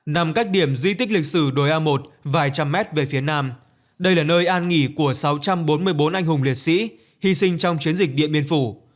nằm cách điểm di tích lịch sử đồi a một vài trăm mét về phía nam đây là nơi an nghỉ của sáu trăm bốn mươi bốn anh hùng liệt sĩ hy sinh trong chiến dịch điện biên phủ